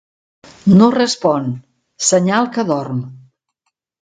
No respon: senyal que dorm.